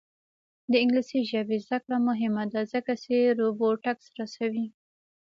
د انګلیسي ژبې زده کړه مهمه ده ځکه چې روبوټکس رسوي.